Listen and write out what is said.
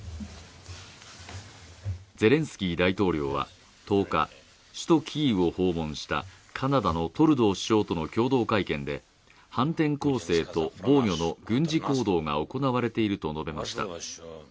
ゼレンスキー大統領は１０日、首都キーウを訪問したカナダのトルドー首相との共同会見で、反転攻勢と防御の軍事行動が行われていると述べました。